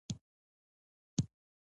ایا د خیر محمد غږ په تلیفون کې رپېده؟